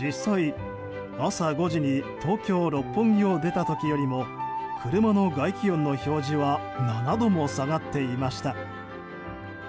実際、朝５時に東京・六本木を出た時よりも車の外気温の表示は７度も下がっていました。